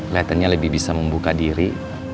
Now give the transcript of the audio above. lethannya lebih bisa membuka diri